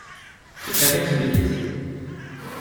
Je traverse deux pièces vides.